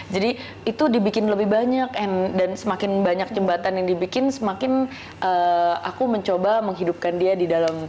jadi itu dibikin lebih banyak and semakin banyak jembatan yang dibikin semakin aku mencoba menghidupkan dia di dalam